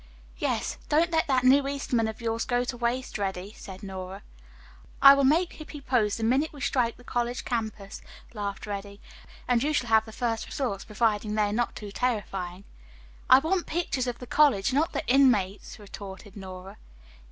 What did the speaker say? "Yes, don't let that new Eastman of yours go to waste, Reddy," said Nora. "I will make Hippy pose the minute we strike the college campus," laughed Reddy, "and you shall have the first results, providing they are not too terrifying." "I want pictures of the college, not the inmates," retorted Nora.